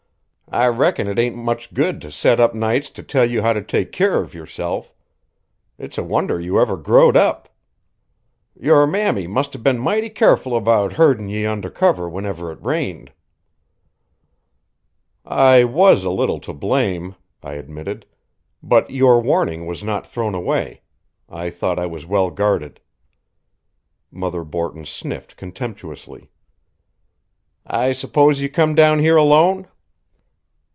"I reckon it ain't much good to sit up nights to tell you how to take keer of yourself. It's a wonder you ever growed up. Your mammy must 'a' been mighty keerful about herdin' ye under cover whenever it rained." "I was a little to blame," I admitted, "but your warning was not thrown away. I thought I was well guarded." Mother Borton sniffed contemptuously. "I s'pose you come down here alone?"